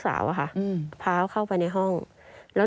แต่นี่เขาเข้าไปแล้ว